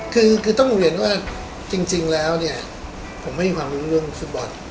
คือต้องเห็นว่าจริงแล้วผมไม่มีความรู้เรื่องสุดบอส